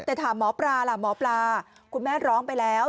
แต่ถามหมอปลาล่ะหมอปลาคุณแม่ร้องไปแล้ว